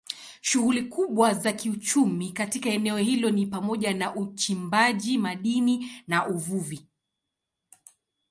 Shughuli kubwa za kiuchumi katika eneo hilo ni pamoja na uchimbaji madini na uvuvi.